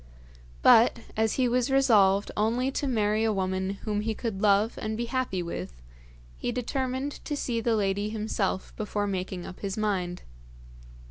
But, as he was resolved only to marry a woman whom he could love and be happy with, he determined to see the lady himself before making up his mind.